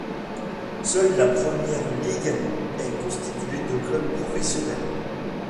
Seule la première ligue est constituée de clubs professionnels.